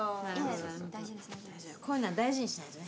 こういうのは大事にしないとね。